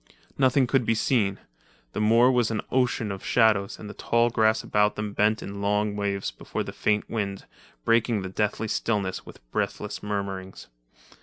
Nothing could be seen. The moor was an ocean of shadows and the tall grass about them bent in long waves before the, faint wind, breaking the deathly stillness with breathless murmurings.